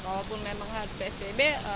walaupun memang harus psbb